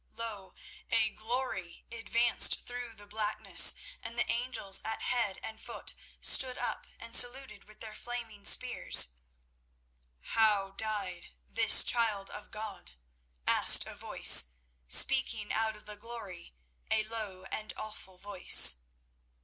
Lo! a Glory advanced through the blackness, and the angels at head and foot stood up and saluted with their flaming spears. "How died this child of God?" asked a voice, speaking out of the Glory, a low and awful voice.